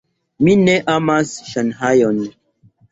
Mi ne amas Ŝanhajon.